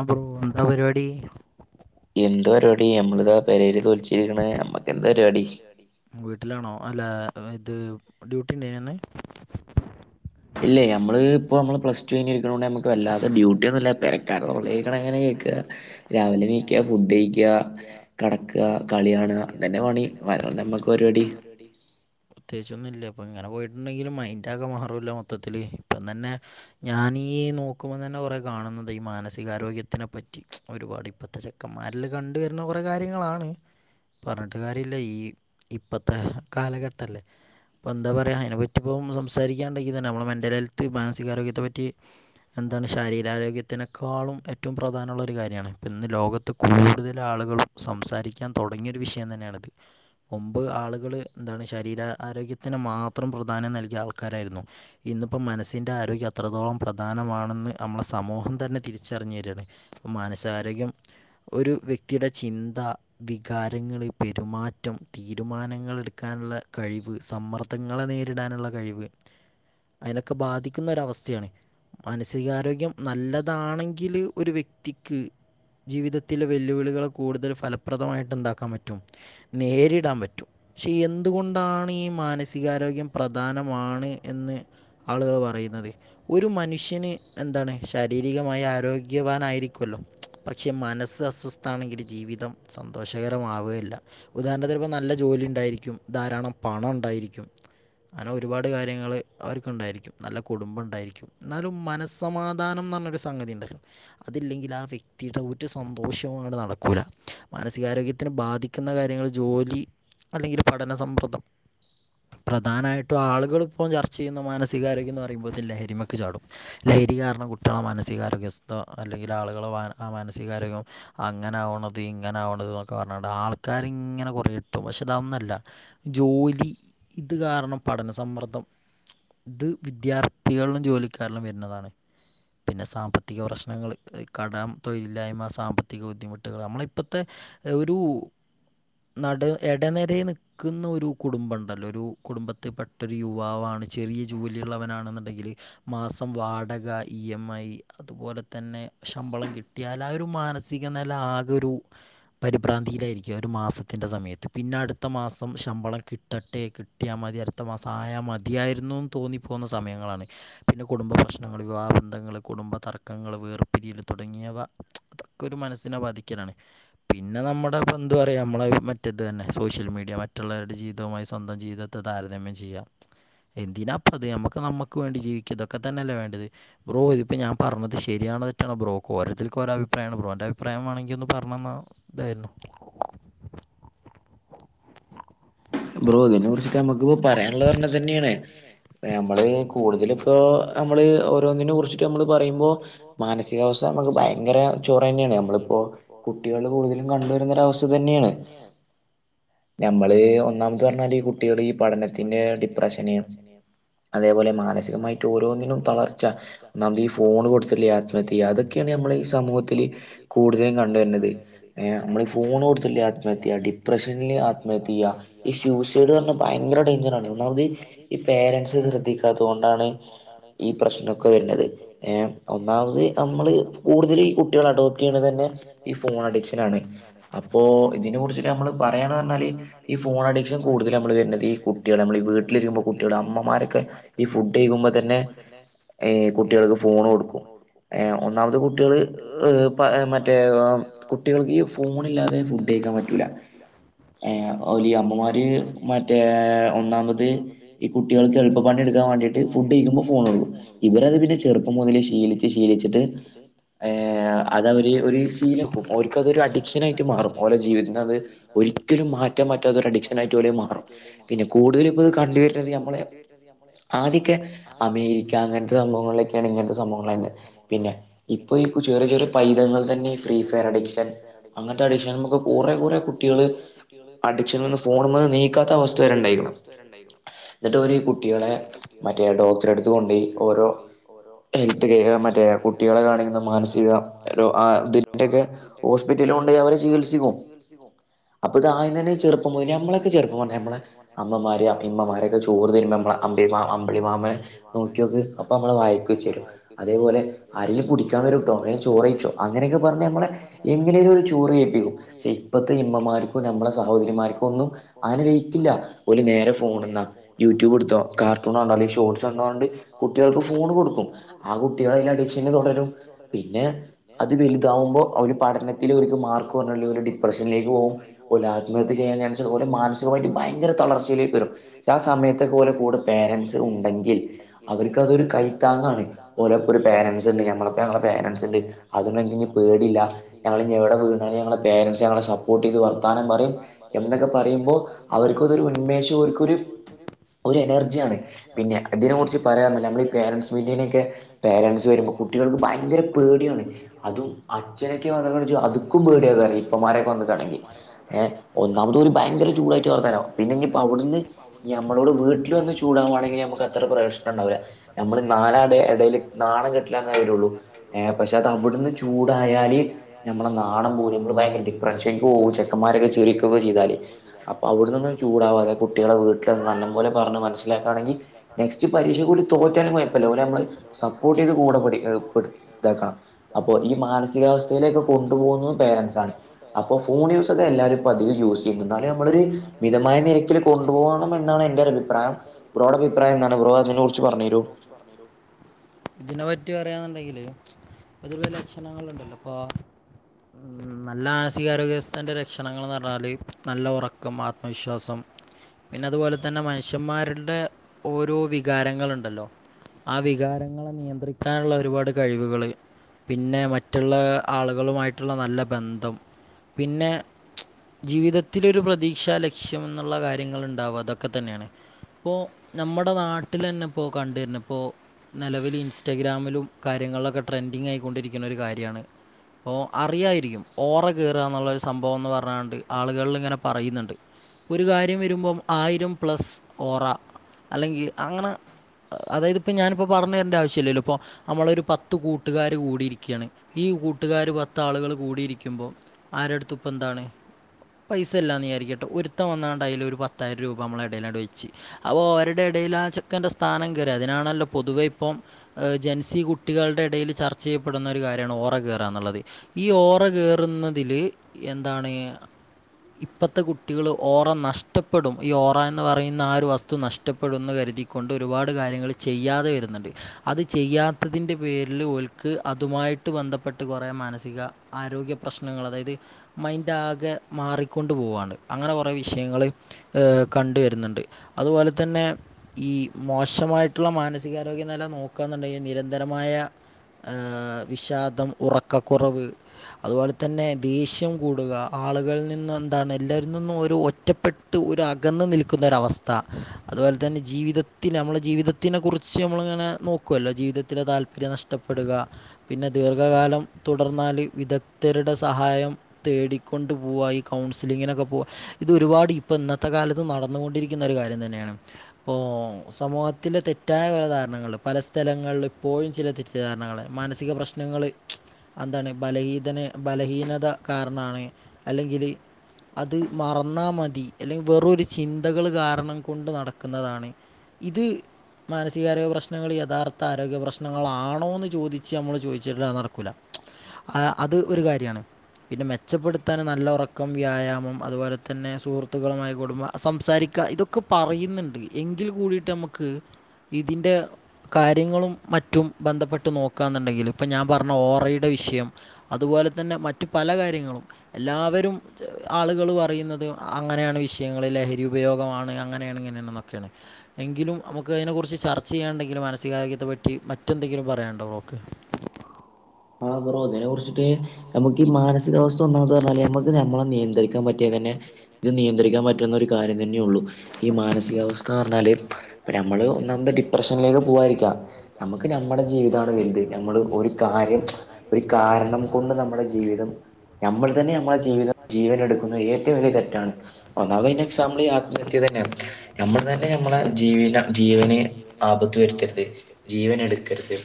അപ്പം ഭു എന്താ പരിപാടി എന്താ പരിപാടി അമ്മളിത പേരേല് തോലിച്ചിരിക്കണേ നമ്മക്ക് എന്താ പരിപാടി വീട്ടിലാണോ അല്ല ഇത് ഡ്യൂട്ടി ഉണ്ടോ ഇന്ന് ഇല്ലേ അമ്മള് ഇപ്പോ അമ്മള് പ്ലസ് ടു കയിഞ്ഞ് ഇരിക്കണ കൊണ്ട് നമുക്ക് വല്ലാതെ ഡ്യൂട്ടി ഒന്നും ഇല്ല കാരളഴിക്കണം അങ്ങനെ കേക്കുക രാവിലെ എണീക്കുക ഫുഡ് കഴിക്കുക കേടക്കുക കളികാണുക ഇത് തന്നെ പണി നമുക്ക് പരിപാടി [unintelligible] പ്രത്യേകിച്ചൊന്നും ഇല്ല ഇപ്പ ഇങ്ങനെ പോയിട്ട് ഉണ്ടെങ്കിലും മൈൻഡ് ആകെ മാറൂല്ല മൊത്തത്തില് ഇപ്പം തന്നെ ഞാനീ നോക്കുമ്പോ തന്നെ കൊറെ കാണുന്നു ഉണ്ട് അ ഈ മാനസിക ആരോഗ്യത്തിനെ പറ്റി ഒരുപാട് ഇപ്പത്തെ ചെക്കന്മാരിൽ കണ്ട് വരുന്ന കുറെ കാര്യങ്ങളാണ് പറഞ്ഞിട്ട് കാര്യല്ല ഈ ഇപ്പത്തെ കാലഘട്ടം അല്ലെ ഇപ്പ എന്താ പറയുക അതിനെപ്പറ്റി ഇപ്പം സംസാരിക്കാൻ ഉണ്ടെങ്കിൽ തന്നെ നമ്മുടെ മെന്റൽ ഹെൽത്ത് മാനസിക ആരോഗ്യത്തെ പറ്റി എന്താണ് ശാരീരാരോഗ്യ ഇതിനേക്കാളും ഏറ്റവും പ്രധാനമുള്ള ഒരു കാര്യമാണ് ഇന്ന് ലോകത്ത് കൂടുതൽ ആളുകളും സംസാരിക്കാൻ തുടങ്ങിയൊരു വിഷയം തന്നെയാണിത് മുമ്പ് ആളുകൾ എന്താണ് ശരീര ആരോഗ്യത്തിന് മാത്രം പ്രധാനം നൽകിയ ആൾക്കാരായിരുന്നു ഇന്നിപ്പം മനസ്സിൻ്റെ ആരോഗ്യം അത്രത്തോളം പ്രധാനമാണെന്ന് നമ്മളെ സമൂഹം തന്നെ തിരിച്ചറിഞ്ഞു തരികയാണ് അപ്പ മാനസാരോഗ്യം ഒരു വ്യക്തിയുടെ ചിന്ത വികാരങ്ങളിൽ പെരുമാറ്റം തീരുമാനങ്ങളെടുക്കാനുള്ള കഴിവ് സമ്മർദ്ദ ത്തങ്ങളെ നേരിടാനുള്ള കഴിവ് അതിനൊക്കെ ബാധിക്കുന്ന ഒരവസ്ഥയാണ് മാനസികാരോഗ്യം നല്ലത് താണെങ്കിലും ഒരു വ്യക്തിക്ക് ജീവിതത്തിലെ വെല്ലുവിളികള് കൂടുതൽ ഫലപ്രദമായിട്ട് എന്താക്കാൻ പറ്റും നേരിടാൻ പറ്റും പക്ഷെ എന്തുകൊണ്ടാണ് ഈ മാനസികാരോഗ്യം പ്രധാനമാണ് എന്ന് ആളുകൾ പറയുന്നത് ഒരു മനുഷ്യന് എന്താണ് ശ എല്ലാമായി ആരോഗ്യവാനായിരിക്വല്ലോ പക്ഷെ മനസ്സ് അസ്വസ്ഥ ആണെങ്കിൽ ജീവിതം സന്തോഷകരമാവുകയില്ല ഉദാഹരണത്തിന്പ്പ നല്ല ജോലി ഉണ്ടായിരിക്കും ധാരാളം പണം ഉണ്ടായിരിക്കും അങ്ങനെ ഒരുപാട് കാര്യങ്ങൾ അവർക്കുണ്ടായിരിക്കും നല്ല കുടുംബം ഉണ്ടായിരിക്കും എന്നാലും മനസ്സമാധാനം എന്നൊരു സംഗതി ഉണ്ട് അതില്ലെങ്കിൽ ആ വ്യക്തിയുടെ ഒരു സന്തോഷവും നടക്കൂല മാനസികാരോഗ്യത്തിനെ ബാധിക്ക ക്കുന്ന കാര്യങ്ങൾ ജോലി അല്ലെങ്കിൽ പഠന സമ്മർദ്ദം പ്രധാനമായിട്ടും ആളുകൾ ഇപ്പോൾ ചർച്ച ചെയ്യുന്ന മാനസികാരോഗ്യം എന്ന് പറയുമ്പോ ലഹരിമക്ക് ചാടും ലഹരി കാരണം കുട്ടികളെ മാനസികാരോഗ്യം അല്ലെങ്കിൽ ആളുകളമാനസികാരോഗ്യം അങ്ങനാവണത് ഇങ്ങനാവണത് എന്നൊക്കെ പറഞ്ഞണ്ട് ആൾക്കാര് ഇങ്ങനെ കൊറെ കിട്ടും പക്ഷെ ഇതൊന്നല്ല ജോലി ഇത് കാരണം പഠനസമ്മർദ്ദം ഇത് വിദ്യാർത്ഥികളിലും ജോലിക്കാരിലും വരുന്നതാണ് പിന്നെ സാമ്പത്തിക പ്രശ്നങ്ങൾ കടം തൊഴിലില്ലായ്മ സാമ്പത്തിക ബുദ്ധിമുട്ടുകൾ നമ്മളിപ്പോഴത്തെ ഒരു നട എടനിര നി നിൽക്കുന്ന ഒരു കുടുംബം ഉണ്ടല്ലോ ഒരു കുടുംബത്തിൽ പെട്ടൊരു യുവാവാണ് ചെറിയ ജോലിയുള്ളവനാണെന്നുണ്ടെങ്കിൽ മാസം വാടക ഇ എം ഐ അതുപോലെ തന്നെ ശമ്പളം കിട്ടിയാൽ ആ ഒരു മാനസിക നില ആകെരു പരിഭ്രാന്തിയിലായിരിക്കും ഒരു മാസത്തിൻ്റെ സമയത്ത് പിന്നെ അടുത്ത മാസം ശമ്പളം കിട്ടും ട്ടട്ടെ കിട്ടിയാൽ മതി അടുത്ത മാസം ആയാൽ മതിയായിരുന്നുന്ന് തോന്നിപ്പോകുന്ന സമയങ്ങളാണ് പിന്നെ കുടുംബ പ്രശ്നങ്ങളിൽ ആ ബന്ധങ്ങള് കുടുംബ തർക്കങ്ങള് വേർപിരിയല് തുടങ്ങിയവ അതൊക്കെ ഒരു മനസ്സിനെ ബാധിക്കലാണ് പിന്നെ നമ്മുടെ ഇപ്പോൾ എന്താ പറയുക നമ്മളെ മറ്റേതു തന്നെ സോഷ്യൽ മീഡിയ മറ്റുള്ളവരുടെ ജീവിതവുമായി സ്വന്തം ജീവിത ത്തെ താരതമ്യം ചെയ്യാം എന്തിനാപ്പ അത് നമ്മുക്ക് നമ്മുക്ക് വേണ്ടി ജീവിക്കാം ഇതൊക്കെ തന്നെയല്ലേ വേണ്ടത് ബ്രോ ഇതിപ്പോ ഞാൻ പറഞ്ഞത് ശരിയാണോ തെറ്റാണോ ബ്രോ ഓരോരുത്തർക്ക്‌ ഒരഭിപ്രായമാണ് ബ്രോന്റെ അഭിപ്രായം വേണമെങ്കിൽ ഒന്ന് പറഞ്ഞന്നാ ഇതായിരുന്നു ബ്രോ അതെ കുറിച്ചിട്ട് നമ്മുക്കിപ്പോ പറയാനുള്ളത് പറഞ്ഞതന്നെയാണ് നമ്മള് കൂടുതല് ഇപ്പോൾ നമ്മള് ഓരോന്നിനെ കുറിച്ച് നമ്മള് പറയുമ്പോ മാനസികാവസ്ഥ നമുക്ക് ഭയങ്കര ചോറ തന്നെയാണ് നമ്മളിപ്പോ കുട്ടികൾ കൂടുതലും കണ്ടുവരുന്നൊരവസ്ഥ തന്നെയാണ് ഞമ്മള് ഒന്നാമത് പറഞ്ഞാല് ഈ കുട്ടികൾ ഈ പഠനത്തിന്റെ ഡിപ്രഷന അതേപോലെ മാനസികമായിട്ട് ഓരോന്നിനും തളർച്ച ഒന്നാമത് ഈ ഫോണ് കൊടുത്തില്ലേ ആത്മഹത്യ അതൊക്കെയാണ് നമ്മള് ഈ സമൂഹത്തില് കൂടുതലും കണ്ടുവരന്നത് ഏ നമ്മള് ഈ ഫോൺ കൊടുത്തില്ലേ ആത്മഹത്യ ഡിപ്രഷനിൽ ആത്മഹത്യ ചെയ്യ ഈ സ്യൂസൈഡ് പറഞ്ഞ ഭയങ്കരം ഡേയ്ഞ്ചറ് ആണ് ഒന്നാമത് ഈ പേരൻസ് ശ്രദ്ധിക്കാത്ത കൊണ്ടാണ് ഈ പ്രശ്നം ക്കെ വരുന്നത് ഏ ഒന്നാമത് നമ്മള് കൂടുതൽ ഈ കുട്ടികൾ അഡോപ്റ്റ് ചെയ്യണെ തന്നെ ഈ ഫോൺ അഡിക്ഷൻ ആണ് അപ്പോ ഇതിനെ കുറിച്ചിട്ട് നമ്മള് പറയാണത് പറഞ്ഞാല് ഈ ഫോൺ ഫോണ അഡിക്ഷൻ കൂടുതൽ നമ്മള് വരുന്നത് ഈ കുട്ടികൾ നമ്മൾ വീട്ടിലിരിക്കുമോ കുട്ടികൾ അമ്മമാരൊക്ക ഈ ഫുഡ്ക്കഴിക്കുമ്പോൾ തന്നെ പിന്നെ ഏ കുട്ടികൾക്ക് ഫോൺ കൊടുക്കും ഏ ഒന്നാമത് കുട്ടികള് ഏ മറ്റേ കുട്ടികൾക്ക് ഈ ഫോണില്ലാതെ ഫുഡ്‌ കഴിക്കാൻ പറ്റൂല എ ഒല് ഇ അമ്മമാര് മറ്റേ ഒന്നാമത് ഈ കുട്ടികൾക്ക് എളുപ്പ പണി എടുക്കാൻ വേണ്ടിട്ട് ഫുഡ് കഴിക്കുമ്പോ ഫോൺ കൊടുക്കും ഇവരത് അത് പിന്നെ ചെറുപ്പം മുതലേ ശീലിച്ച് ശീലിച്ചിട്ട് ഏ അതവര് ഒരു ശീലാക്കും ഓര്ക്ക് അത് ഒരു അഡിക്ഷൻ ആയിട്ട് മാറും ഓലെ ജീവിതത്തിൽ നിന്ന് അത് ഒരിക്കലും മാറ്റ രു മാറ്റാൻ പറ്റാത്ത ഒരു അഡിക്ഷനായിട്ട് ഓല് മാറും. പിന്നെ കൂടുതല് ഇപ്പത് കണ്ടുവരുന്നത് നമ്മളെ ആദ്യൊക്കെ അമേരിക്ക അങ്ങനത്തെ സംഭവം ഫോണിൽ ഒക്കെ ആണ് ഇങ്ങനത്തെ സംഭവങ്ങൾ ആയിരുന്നത് പിന്നെ ഇപ്പൊ ഒക്കെ ഈ ചെറിയ ചെറിയ പൈതങ്ങൾ തന്നെ ഈ ഫ്രീ ഫയർ അഡിക്ഷൻ അങ്ങനത്തെ അഡിക്ഷൻകൾ ഒക്കെ കുറെ കുറെ കുട്ടികള് കുട്ടികള് അഡിക്ഷൻന്ന് ഫോൺമ്മന്ന് നീക്കാത്ത അവസ്ഥ വരെ ഉണ്ടായിക്ക്ണ് എന്നിട്ട് ഓല് ഈ കുട്ടികളെ മറ്റേ ഡോക്ടറെ അടുത്ത് കൊണ്ട് പോയി ഒ കൊണ്ടെയി ഓരോ ഹെത്ത് ക മറ്റേ കുട്ടികളെ കാണിക്കുന്ന മാനസിക ആ ഇതിന്റെ ഒക്കെ ഹോസ്പിറ്റലിൽ കൊണ്ട് പോയി അവരെ ചികിത്സിക്കും അപ്പൊ ഇത് ആദ്യം തന്നെ ചെറുപ്പം മുതലേ നമ്മളെ ഒക്കെ ചെറുപ്പം പറഞ്ഞ നമ്മളെ അമ്മമാര് ഇമ്മമാരൊക്കെ ചോർ തരുമ്പോ നമ്മ അിമ്പിമ അമ്പിളി മാമൻ നോക്കി നോക്ക് അപ്പൊ നമ്മളെ വായിക്ക് വച്ച് തരും അത് പോലെ ആരെങ്കിലും പിടിക്കാൻ വരും ട്ടോ വേഗം ചോറ് കഴിച്ചോ അങ്ങനെയൊക്കെ പറഞ് നമ്മളെ എങ്ങനെ എങ്കിലും അവര് ചോറ് കഴിപ്പിക്കും. പക്ഷെ ഇപ്പോഴത് ഇമ്മമാർക്കും നമ്മളെ സ സഹോദരി മാർക്ക് ഒന്നും അങ്ങനെ വൈക്കില്ല ഒര് നേരെ ഫോൺനാ യൂട്യൂബ് എടുത്തോ കാർട് [unintelligible] ഷോർട്സ് കണ്ട് കാണ്ട് കുട്ടികൾക്ക് ഫോൺ കൊടുക്കും ആ കുട്ടികൾ അതിൽ അഡിക്ഷന് തുടരും പിന്നെ അത് വലുതാകുമ്പോൾ അവര് പഠനത്തിൽ അവർക്ക് മാർക്ക് കുറഞ്ഞ അവര് ഡിപ്രഷനിലേക്ക് പോകും ആത്മഹത്യ ചെയ്യാൻ വിചാരിച്ച് അവര് മാനസികമായിട്ട് ഭയങ്കര തളർച്ചയിലേക്ക് വരും ആ സമയത്ത് ഒക്കെ അവര് കൂടെ പേരൻസ് ഉണ്ടെങ്കിൽ അവർക്ക് അതൊരു കൈ താങ്ങാണ് ഓരൊപ്പം ഒരു പോരൻസ് ഉണ്ട് നമ്മള് ഒപ്പം ഞങ്ങളെ പേരൻസ് ഉണ്ട് [unintelligible] അതിനൊന്നും ഇനി പേടില്ല ഞങ്ങൾ എവിടെ വീണാലും ഞങ്ങള പേരെന്റ്‌സ് ഞങ്ങളെ സപ്പോർട്ട് ചെയ്ത് വർത്താനം പറയും എന്നൊക്കെ പറയുമ്പോൾ അവർക്കതൊരു ഉന്മേഷവും അവർക്കൊരു ഒരു എനർജിയാണ് പിന്നെ അതിനെ കുറിച്ച് പറയാനുള്ളെ നമ്മളെ ഈ പേരൻസ് മീറ്റിങ്ങിനൊക്കെ പേരൻറ്സ് വരുമ്പോൾ കുട്ടികൾക്ക് ഭയങ്കര പേടിയാണ് അതും അച്ഛനൊക്കെ വന്നത് വെച്ചാൽ അതുക്കും പേടിയാക്കാരം ഇപ്പമാരൊക്കെ വന്നക്കാണെങ്കി ഒന്നാമത് ഓല് ഭയങ്കര ചൂടായിട്ട് വർത്താനം പിന്നെ ഇഞ് ഇപ്പൊ അവിടുന്ന് നമ്മളോട് വീട്ടിൽ വന്ന് ചൂടാകവാണെങ്കിൽ നമു അ പ്രേശനംണ്ടാവില്ല നമ്മള് നാലാ ഇടയിൽ നാണം കെട്ടിലാന്ന് വരുള്ളു പക്ഷെ അത് അവിടുന്ന് ചൂടായാല് നമ്മളെ നാണം പോവും ഞമ്മള് ഭയങ്കര ഡിപ്രഷൻക്ക് പോകും ചെക്കന്മാരൊക്കെ ചിരി ചെയ്താല് അപ്പൊ അവിടെന്ന് ചൂടാവാതെ കുട്ടികളെ വീട്ടിൽ നല്ല പോലെ പറഞ്ഞു മനസ്സിലാക്കുകയാണെങ്കിൽ നെക്സ്റ്റ് പരീക്ഷക്ക് അവര് തോറ്റാലും കുഴപ്പമില്ല ഓലെ നമ്മള് സപ്പോർട്ട് ചെയ്ത് കൂടെ പടി ഇതാക്കണം അപ്പൊ ഈ മാനസികാവസ്ഥയിലേക്ക് കൊണ്ടു പോകുന്നത് പേരൻറ്സ് ആണ്. അപ്പൊ ഫോൺ യൂസ് ഒക്കെ എല്ലാരും അ യൂസ് ചെയ്യ എന്നാലും നമ്മൾ ഒരു മിതമായ നിരക്കിൽ കൊണ്ടുപോകണം എന്നാണ് എന്റെ ഒരു അഭിപ്രായം ബ്രോയുടെ അഭിപ്രായം എന്താണ് ബ്രോ അതിനെ കുറിച്ച് പറഞ്ഞു തരു [unintelligible] ഇതിനെ പറ്റി പറയ എന്നുണ്ടെങ്കിൽ [unintelligible] ലക്ഷണങ്ങൾ ഉണ്ടല്ലൊ ഇപ്പൊ മ് നല്ല മാനസിക ആരോഗ്യ അവസ്ഥന്റെ ലക്ഷണങ്ങൾന്ന് പറഞ്ഞാല് നല്ല ഉറക്കം ആത്മവിശ്വാസം പിന്നെ അതുപോലെ തന്നെ മനുഷ്യന്മാരുടെ ഓരോ വികാരങ്ങൾ ഉണ്ടല്ലോ ആ വികാരങ്ങളെ നിയന്ത്രിക്കാനുള്ള ഒരുപാട് കഴിവുകള് പിന്നെ മറ്റുള്ള ആളുകളുമായിട്ടുള്ള നല്ല ബന്ധം പിന്നെ ജീവിതത്തിൽ ഒരു പ്രതീക്ഷ ലക്ഷ്യം എന്നുള്ള കാര്യങ്ങൾ ഉണ്ടാവുക അതൊക്കെ തന്നെയാണ് ഇപ്പൊ നമ്മുടെ നാട്ടിൽ തന്നെ ഇപ്പൊ കണ്ടുവരുന്ന ഇപ്പൊ നിലവിൽ ഇൻസ്റ്റഗ്രാമിലും കാര്യങ്ങളിലൊക്കെ ട്രെൻഡിങ് ആയിക്കൊണ്ടിരിക്കുന്ന ഒരു കാര്യമാണ് അപ്പോൾ അറിയായിരിക്കും ഓറ കേറന്നുള്ളരു സംഭവം എന്ന് പറഞ്ഞാണ്ട് ആളുകളിൽ ഇങ്ങനെ പറയുന്നുണ്ട്. ഒരു കാര്യം വരുമ്പം ആയിരം പ്ലസ് ഓറ അല്ലെങ്കിൽ അങ്ങനെ അതായത് ഇപ്പോ ഞാനിപ്പോ പറഞ്ഞു തരണ്ട ആവശ്യം ഇല്ലല്ലോ ഇപ്പൊ നമ്മളൊരു പത്ത് കൂട്ടുകാര് കൂടിയിരിക്കുകയാണ് ഈ കൂട്ടുകാാര് പത്ത ആളുകള് കൂടിയിരിക്കുമ്പോ ആരുടുത്തുക്കു എന്താണ് പൈസ എല്ലാം നീചാരിക്കട്ടെ ഒരുത്തം വന്നാണ്ടായാലൽ ഒരു പത്തായിരം രൂപ നമ്മള ഇടയിലാണ്ട് വെച്ച് അപ്പൊ ഓരരുടെ ഇടയിൽ ആ ചെക്കന്റെ സ്ഥാനം കയറി അതിനാണല്ലോ പൊതുവെ ഇപ്പം ഹ ജെൻസി കുട്ടികളുടെ ഇടയിൽ ചർച്ച ചെയ്യപ്പെടുന്ന ഒരു കാര്യമാണ് ഓറ കയറാ എന്നുള്ളത് ഈ ഓറ കയറുന്നതില് എന്താണ് ഇപ്പോഴത്തെ കുട്ടികൾ ഓറ നഷ്ടപ്പെടും ഈ ഓറ എന്ന് പറയുന്ന ആ ഒരു വസ്തു വസ് നഷ്ടപ്പെടെന്ന് കരുതിക്കൊണ്ട് ഒരുപാട് കാര്യങ്ങൾ ചെയ്യാതെ വരുന്നുണ്ട് അത് ചെയ്യാത്തതിന്റെ പേരില് ഒക്ക് അതുമായിട്ട് ബന്ധപ്പെട്ട് കൊറെ മാനസിക ആരോഗ്യ പ്രശ്നങ്ങൾ അതായത് മൈൻഡ ആകെ മാറിക്കൊണ്ട് പോവയാണ് അങ്ങനെ കുറെേ വിഷയങ്ങള് ഏ കണ്ടുവരുന്നുണ്ട് അതുപോലെ തന്നെ ഈ മോശമായിട്ടുള്ള മാനസികാരോഗ്യനില നോക്കുക എന്നുണ്ടെങ്കിൽ നിരന്തരമായ വിഷാദം ഉറക്കക്കുറവ് അതുപോലെ തന്നെ ദേഷ്യം കൂടുക ആളുകളിൽ നിന്ന എന്താണ് എല്ലാവരിൽ നിന്നും ഒരു ഒറ്റപ്പെട്ട ഇട്ട് ഒരു അകന്ന് നിൽക്കുന്ന ഒരവസ്ഥ അതുപോലെ തന്നെ ജീവിതത്തിൽ നമ്മളുടെ ജീവിതത്തിന കുറിച്ച് നമ്മളിങ്ങനെ നോക്കുവല്ലോ ജീവിതത്തിലെ താല്പര്യ നഷ്ടം ത്തപ്പെടുക പിന്നെ ദീർഘകാലം തുടർന്നാല് വിദഗ്ധരുടെ സഹായം തേടിക്കൊണ്ട്പോവാ ഈ കൗൺസിലിങ്ങിനൊക്കെ പോവ ഇത് ഒരുപാട് ഇപ്പൊ ഇന്നത്തെ കാലത്ത് നടന്നുകൊണ്ടിരിക്ക ന്ന ഒരു കാര്യം തന്നെയാണ്. ഇപ്പോ സമൂഹത്തില തെറ്റായ പല ധാരണങ്ങൾ പല സ്ഥലങ്ങളിൽ ഇപ്പോഴും ചെലെ ധാരണങ്ങളൾ മാനസിക പ്രശ്നങ്ങള് അന്താണ് ബലഹീതന ബലഹീനത കാരണാണ് അല്ലെങ്കില് അത് മറന്നാൽ മതി അല്ലെങ്കിൽ വെറുമൊരു ചിന്തകൾ കാരണം കൊണ്ട് നടക്കുന്നതാണ്. ഇത് മാനസികാരോഗ്യ പ്രശ്നങ്ങൾ യഥാര്ർത്ഥ ആരോഗ്യ പ്രശ്നങ്ങളാണോന്ന് ചോദിച്ച് നമ്മൾ ചോദിച്ചിട്ടില്ല അ നടക്കൂല. അ അത് ഒരു കാര്യാണ് പിന്നെ മെച്ചപ്പെടുത്താൻ നല്ല ഉറക്കം വ്യായാമം അതുപോലെ തന്നെ സുഹൃത്തുക്കളുമായി കൂടുമ്പം സംസാരിക്ക ഇതൊക്കെ പറയുന്നുണ്ട് എങ്കിൽ കൂടിയിട്ട് നമുക്ക് ഇതിന്റെ കാര്യങ്ങളും മറ്റും ബന്ധപ്പെട്ട് നോക്ക എന്നുണ്ടെങ്കിൽ ഇപ്പൊ ഞാൻ പറഞ്ഞ ഓറയുടെ വിഷയം അതുപോലെ തന്നെ മറ്റ് പല കാര്യങ്ങളും എല്ലാവരും ആളുകൾ പറയുന്നത് അങ്ങനെയാണ് വിഷയങ്ങൾ ലഹരി ഉപയോഗമാണ് അങ്ങനെയണെങ്ങനെയന്നൊക്കെയാണ് എങ്കിലും നമുക്ക് അതിനെ കുറിച്ച് ചർച്ച ചെയ്യണ്ടെങ്കിലും മാനസികാരോഗ്യത്തെ പറ്റി മറ്റെന്തെങ്കിലും പറയണ്ട നമ്മക്ക് ആഹ് ബ്‌റോ ഇതിനെകുറിച്ചിട്ട് നമുക്ക് ഈ മാനസികാവസ്ഥ ഒന്നാന്ന് പറഞ്ഞാ നമ്മുക്ക് നമ്മളെ നിയന്ത്രിക്കാൻ പറ്റിയാൽ തന്നെ ഇത് നിയന്ത്രിക്കാൻ പറ്റുന്ന ഒരു കാര്യം തന്നെയള്ളൂ ഈ മാനസികാവസ്ഥന്ന് പറഞ്ഞാല് നമ്മള് ഒന്ന എന്ത ഡിപ്രഷനിലേക്ക് പോകാതിരിക്കാ നമക്ക് നമ്മുടെ ജീവിതമാണ് വലുത് നമ്മള് ഒരു കാര്യം ഒരു കാരണം കൊണ്ട് നമ്മുടെ ജീവിതം നമ്മൾ തന്നെ നമ്മളുടെ ജീവിതം ജീവന എടുക്കുന്നത് ഏറ്റവും വലിയ തെറ്റാണ് ഒന്നാമത് അതിന് എക്സാബ്ള് ഈ ആത്മഹത്യ തന്നെയ നമ്മൾ തന്നെ ഞമ്മളെ ജീവന ജീവന് ആപത്ത് വരുത്തരുത് ജീവന എടുക്കരുത്.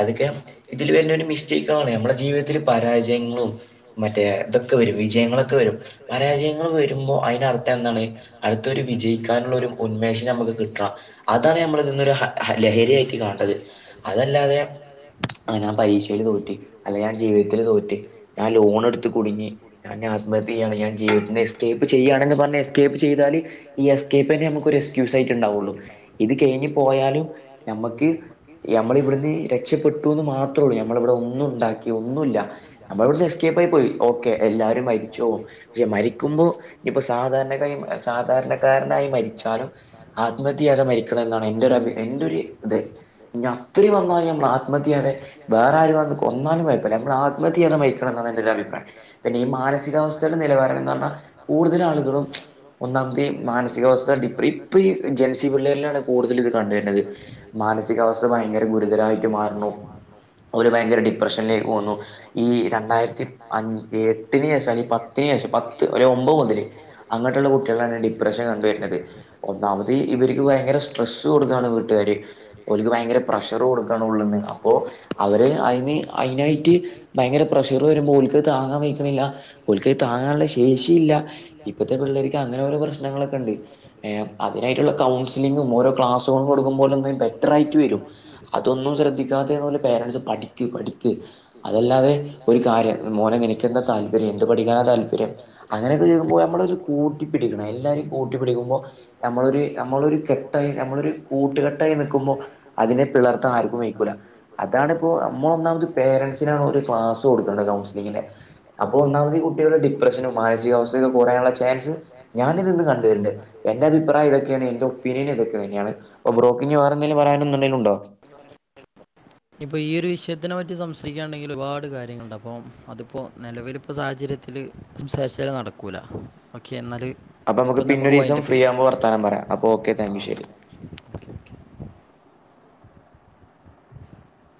അതൊക്കെ ഇതില് വരുന്ന ഒരു മിസ്റ്റേക്ക് ആ നമ്മുടെ ജീവിതത്തിൽ പരാജയങ്ങളും മറ്റേ ഇതൊക്കെ വരും വിജയങ്ങളൊക്കെ വരും. പരാജയങ്ങൾ വരുമ്പോ അതിനന്ർത്ഥം എന്താണ് അടുത്തരു വിജയിക്കാനുള്ള ഒരു ഉന്മേഷം നമുക്ക് കിട്ടണം അതാണ് നമ്മള ഇന്നൊരു ഹ ലഹരിയയിട്ട് കാണണ്ടത് അതല്ലാതെ ഞാൻ പരീഷയിൽ തോറ്റി അല്ലെ ഞാൻ ജീവിതത്തില് തോറ്റി ഞാൻ ലോൺ എടുത്ത് കുടുങ്ങി ആത്മഹത്യ ചെയ്യാണ് ഞാൻ ജീവിതത്തി എസ്കേപ്പ് ചെയ്യാണന്ന് പറഞ്ഞ എസ്കേപ്പ് ചെയ്താല് ഈ എസ്കേപ്പ് തന്നെ നമുക്ക് ഒരു എക്സ്ക്യൂസ് ആയിട്ട്ണ്ടാവുള്ളൂ ഇത് കഴിഞ്ഞഞ് പോയാലും നമ്മുക്ക് നമ്മള ഇവിടുന്ന് രക്ഷപ്പെെട്ടു എന്ന് മാത്രേ ഉള്ളൂ നമ്മള ഇവിടെ ഒന്ന ഉണ്ടാക്കി ഒന്നുമല്ല നമ്മള ഇവിടുന് എസ്കേപ്പ ആയി പോയി ഓക്കെ എല്ലാരും മരിച്ച പക്ഷെ മരിക്കുമ്പോ ഇപ്പോ സാധാരണക്കായി സാധാരണക്കാരനായി മരിച്ചാലും ആത്മഹത്യാത മ എന്നാണ് എന്റെ എന്റെ ഇത ഇനി അത്രയും വന്ന നമ്മൾ ആത്മഹത്യ ചെയ്യാതെ വേറെ ആരു വന്നു കൊന്നാലും നമ്മ ആത്മത്യ വഹണം എന്നാണ് എന്റെ ഒരു അഭിപ്രായം പിന്നെ ഈ മാനസികാവസ്ഥയുടെ നിലവാരം എന്ന് പറഞ്ഞാൽ കൂടുതൽ ആളുകളും ഒന്നാമത്തെ മാനസികാവസ്ഥ ഇ ഇപ്പ ഈ ജെൻസി പിള്ളേരിലാണ് കൂടുതൽ ഇത് കണ്ടുവരുന്നത് മാനസികാവസ്ഥ ഭയങ്കര ഗുരുതരായിട്ട് മാറുന്നു ഒരു ഭയങ്കര ഡിപ്രഷൻ ല് ന്നു ഈ രണ്ടായിരത്തി അഞ് എട്ടിന് ശേഷം അല്ലെ പത്തിന് ശേഷം പത്ത് ഒരു ഒമ്പത് മുതല് അങ്ങനട്ടുള്ള കുട്ടികളാണ് ഡിപ്രഷൻ കണ്ടുവരുന്നത് ഒന്നാമത് ഇവർക്ക് ഭയങ്കര സ്ട്രെസ്സ് കൊടുക്കുവാണ് വീട്ടുകാർ അവർക്ക് ഭയങ്കര പ്രഷർ കൊടുക്കാണ് ഉള്ളന്ന് അപ്പൊ അവര് അതിന് അതിനായിട്ട് ഭയങ്കര പ്രഷർ വരുമ്പോ ഒൽക്ക താങ്ങാൻ വെക്കണില്ല ഓൽക്ക താങ്ങാനുള്ള ശേഷി ഇല്ല ഇപ്പോഴത്തെ പിള്ളേർക്ക് അങ്ങനെ ഓരോ പ്രശ്നങ്ങളൊക്കെ ഉണ്ട് അതിനായിട്ടുള്ള കൗൺസിലിങ്ങും ഓരോ ക്ലാസ്സും കൊടുക്കോലെ ബെറ്ററ ആയിട്ട് വരും അതന്നും ശ്രദ്ധിക്കാത പോലെ പേരൻസ് പഠിക്ക് പഠിക്ക അതല്ലാതെ ഒരു കാര്യം മോനെ നിനക്കെന്തൊ താല്പര്യം എന്ത് പഠിക്കാനാ താല്പര്യം അങ്ങനെയൊക്കെ ചെയുമ്പോൾ നമ്മളൊരു കൂട്ടിപ്പിടിക്കണം എല്ലാവരും കൂട്ടിപ്പടിക്കുമ്പോൾ നമ്മളൊരു നമ്മളൊരു കെ ട്ടായി നമ്മളൊരു കൂട്ടുകെട്ടായി നിൽക്കുമ്പോൾ അതിനെ പിളർത്താൻ ആർക്കും മേക്കൂല അതാണിപ്പോ നമ്മളൊന്നാമത് പേരൻസിനാണ് [unintelligible] മാസം കൊടുക്കണ്ട് കൗൺസിലിങ്ങിന്റെ അപ്പൊ ഒന്നാമത് കുട്ടികുടെ ഡിപ്രഷനും മാനസികാവസ്ഥയക്കെ കുറയാനുള്ള ചാൻസ് ഞാനിത് ഇന്ന് കണ്ടിട്ടരണ്ട് എന്റെ അഭിപ്രായം ഇതൊക്കെയാണ് എന്റെ ഒപീനിയൻ ഇതൊക്കെ തന്നെയാണ് അപ്പൊ ബ്രോ ഇനി വേറെന്തങ്കിലും പറയാനന്നുണ്ടങ്കിലുണ്ടോ ഇനി പറയാനെ ന്തെങ്കിലും ഉണ്ടോ ഇപ്പൊ ഈ ഒരു വിഷയത്തിനെ പറ്റി സംസാരിക്കയാണ്ടെങ്കിൽ ഒരുപാട് കാര്യങ്ങളുണ്ട് അപ്പം അതിപ്പോ നിലവിലിപ്പ സാഹചര്യത്തില് സംസാരിച്ചാലും നടക്കൂല ഓക്കെ എന്നാൽ അപ്പൊ നമുക്ക് പിന്നൊരു ദിവസം ഫ്രീആകുമ്പോൾ വർത്താനം പറയാം അപ്പംഓക്കെ താങ്ക് യു ശരി